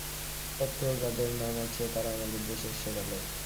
পত্র যাঁদের নাম আছে, তাঁরা আমাদের দেশের সেরা লোক।